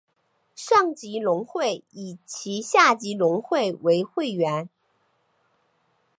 上级农会以其下级农会为会员。